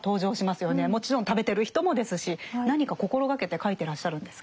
もちろん食べてる人もですし何か心掛けて書いてらっしゃるんですか。